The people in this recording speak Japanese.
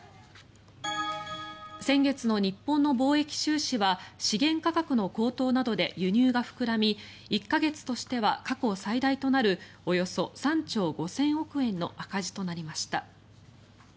先月の日本の貿易収支は資源価格の高騰などで輸入が膨らみ１か月としては過去最大となるおよそ３兆５０００億円の赤字となりました。